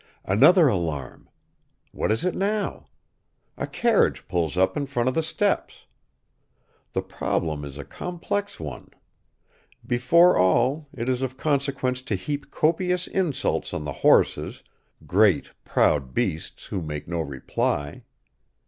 Another alarm! What is it now? A carriage pulls up in front of the steps. The problem is a complex one. Before all, it is of consequence to heap copious insults on the horses, great, proud beasts, who make no reply.